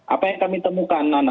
apa yang kami temukan